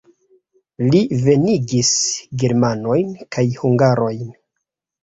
Li venigis germanojn kaj hungarojn.